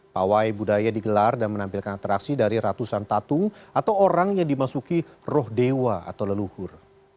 pawai budaya digelar dan menampilkan atraksi dari ratusan tatung atau orang yang dimasuki roh dewa atau leluhur